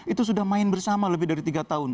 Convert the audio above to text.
itu sudah main bersama lebih dari tiga tahun